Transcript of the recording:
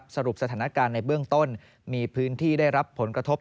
สรุปสถานการณ์ในเบื้องต้นมีพื้นที่ได้รับผลกระทบ